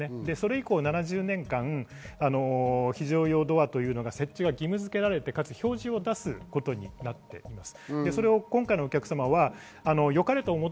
それ以降７０年間、非常用ドアというのは設置が義務づけられて、かつ表示を出すことになりました。